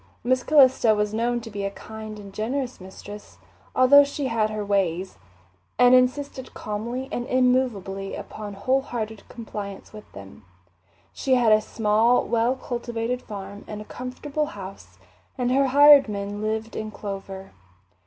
Miss Calista was known to be a kind and generous mistress, although she had her "ways," and insisted calmly and immovably upon wholehearted compliance with them. She had a small, well cultivated farm and a comfortable house, and her hired men lived in clover.